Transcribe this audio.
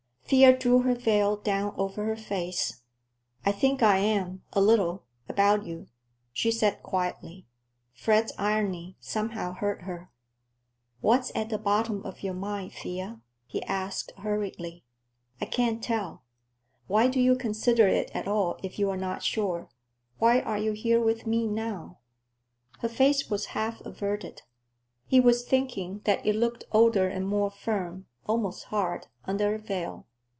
Thea drew her veil down over her face. "I think I am, a little; about you," she said quietly. Fred's irony somehow hurt her. "What's at the bottom of your mind, Thea?" he asked hurriedly. "I can't tell. Why do you consider it at all, if you're not sure? Why are you here with me now?" Her face was half averted. He was thinking that it looked older and more firm—almost hard—under a veil.